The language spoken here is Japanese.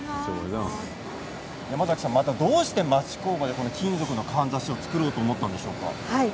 またどうして町工場でこの金属のかんざしを作ろうと思ったんですか。